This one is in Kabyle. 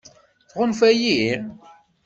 Tɣunfa-yi?